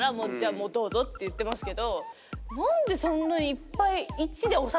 もうどうぞって言ってますけど。